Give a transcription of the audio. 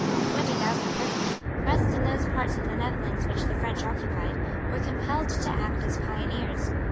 Twenty thousand peasants, pressed in those parts of the Netherlands which the French occupied, were compelled to act as pioneers.